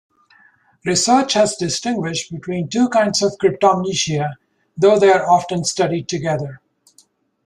Research has distinguished between two kinds of cryptomnesia, though they are often studied together.